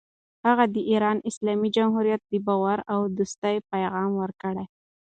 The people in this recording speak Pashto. هغه د ایران اسلامي جمهوریت ته د باور او دوستۍ پیغام ورکړ.